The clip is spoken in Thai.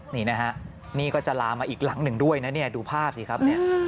นี่นะฮะนี่ก็จะลามมาอีกหลังหนึ่งด้วยนะเนี่ยดูภาพสิครับเนี่ย